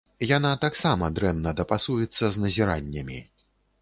Яна таксама дрэнна дапасуецца з назіраннямі.